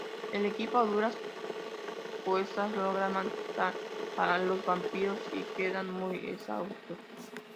El equipo a duras cuestas logran matar a los vampiros y quedan muy exhaustos.